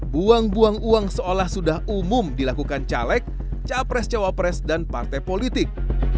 buang buang uang seolah sudah umum dilakukan caleg capres cawapres dan partai politik